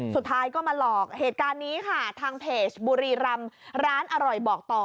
สุดท้ายก็มาหลอกเหตุการณ์นี้ค่ะทางเพจบุรีรำร้านอร่อยบอกต่อ